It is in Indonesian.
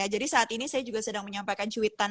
jadi saat ini saya juga sedang menyampaikan cuitan